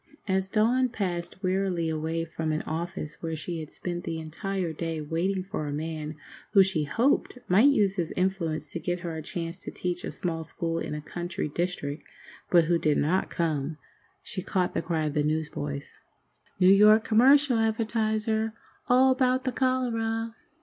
As Dawn passed wearily away from an office where she had spent the entire day waiting for a man who she hoped might use his influence to get her a chance to teach a small school in a country district, but who did not come, she caught the cry of the newsboys. "New York Commercial Advertiser! All 'bout the cholera!"